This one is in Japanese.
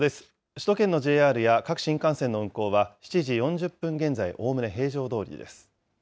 首都圏のＪＲや各新幹線の運行は、７時４０分現在、おおむね平常どおりです。